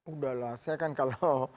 udahlah saya kan kalau